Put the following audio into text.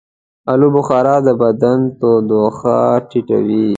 آلوبخارا د بدن تودوخه ټیټوي.